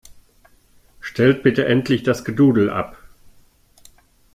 Stellt bitte endlich das Gedudel ab!